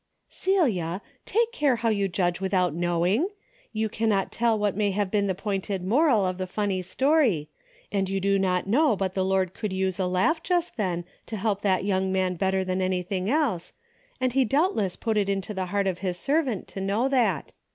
"Celia I Take care how you judge without knowing. You cannot tell what may have 'M DAILY RATE.^^ 215 been the pointed moral of the funny story, and you do not know but the Lord could use a laugh just then to help that young man bet ter than anything else, and he doubtless put it into the heart of his servant to know that.